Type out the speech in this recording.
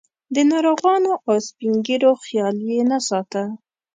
د ناروغانو او سپین ږیرو خیال یې نه ساته.